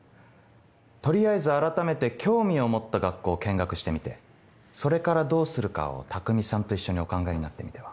取りあえず改めて興味を持った学校を見学してみてそれからどうするかを匠さんと一緒にお考えになってみては。